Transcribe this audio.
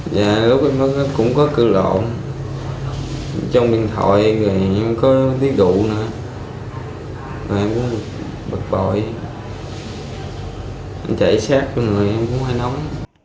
dạ lúc em mất cũng có cư lộn trong điện thoại thì em có tiết đủ nữa em cũng bực bội em chạy sát cho người em cũng hơi nóng